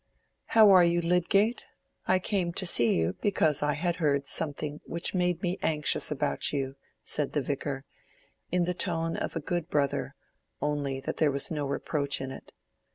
"How are you, Lydgate? I came to see you because I had heard something which made me anxious about you," said the Vicar, in the tone of a good brother, only that there was no reproach in it.